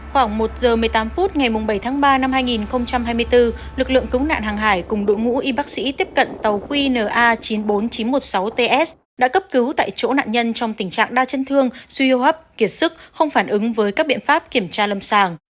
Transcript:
khoảng một giờ một mươi tám phút ngày bảy tháng ba năm hai nghìn hai mươi bốn lực lượng cứu nạn hàng hải cùng đội ngũ y bác sĩ tiếp cận tàu qna chín mươi bốn nghìn chín trăm một mươi sáu ts đã cấp cứu tại chỗ nạn nhân trong tình trạng đa chấn thương suy hô hấp kiệt sức không phản ứng với các biện pháp kiểm tra lâm sàng